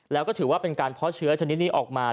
แล้วก็ถือว่าเป็นการเพาะเชื้อชนิดนี้ออกมา